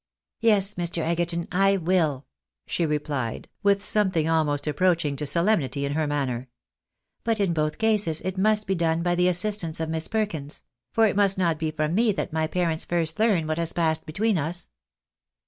" Yes, Mr. Egerton, I will," she replied, with something almost approaching to solemnity in her manner. " But in both cases it must be done by the assistance of Miss Perkins ; for it must not be from me that my parents first learn what has passed between us."